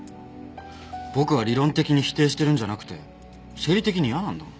僕は理論的に否定してるんじゃなくて生理的に嫌なんだもん。